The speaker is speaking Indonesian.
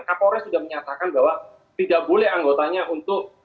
kapolres sudah menyatakan bahwa tidak boleh anggotanya untuk